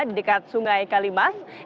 di dekat sungai kalimantan